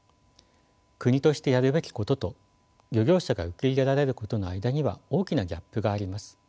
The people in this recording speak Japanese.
国としてやるべきことと漁業者が受け入れられることの間には大きなギャップがあります。